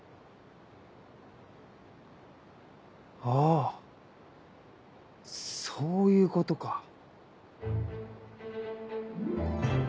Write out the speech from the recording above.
あぁそういうことか。